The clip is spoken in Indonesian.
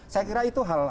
saya kira itu hal